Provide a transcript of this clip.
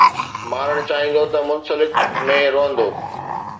مارڻ چاهيندو ته منسلڪ ۾ روئندو